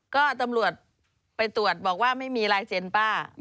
ก็ตำรวจไปตรวจบอกว่าไม่มีลายเซ็นต์ป้า